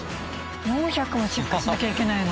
４００もチェックしなきゃいけないの？